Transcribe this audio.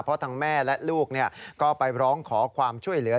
เพราะทั้งแม่และลูกก็ไปร้องขอความช่วยเหลือ